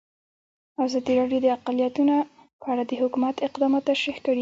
ازادي راډیو د اقلیتونه په اړه د حکومت اقدامات تشریح کړي.